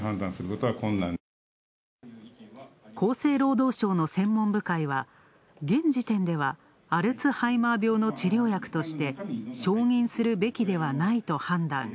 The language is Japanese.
厚生労働省の専門部会は、現時点ではアルツハイマー病の治療薬として、承認するべきではないと判断。